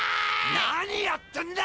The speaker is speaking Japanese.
何やってんだ！？